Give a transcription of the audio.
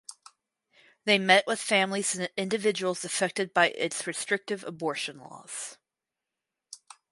They met with families and individuals affected by its restrictive abortion laws.